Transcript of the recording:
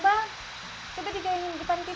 belum bang kita di jalanin depan tv